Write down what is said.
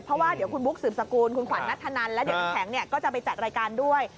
เพราะว่าเดี๋ยวคุณบุ๊คสืบสกุลคุณขวัญนัทธนันและเดี๋ยวน้ำแข็งก็จะไปจัดรายการด้วย